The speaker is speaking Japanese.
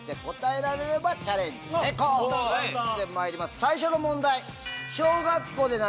最初の問題。